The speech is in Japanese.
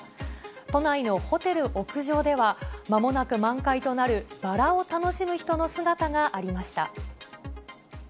都内のホテル屋上では、まもなく満開となるバラを楽しむ人の姿がありました。